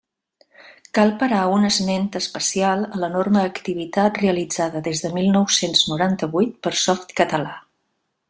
Cal parar un esment especial a l'enorme activitat realitzada des de mil nou-cents noranta-vuit per Softcatalà.